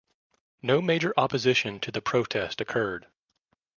No major opposition to the protest occurred.